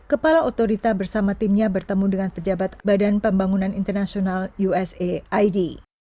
kepala otorita bersama timnya bertemu dengan pejabat badan pembangunan internasional usaid